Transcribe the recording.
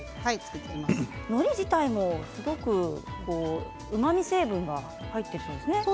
のり自体も、すごくうまみ成分が入っていそうですね。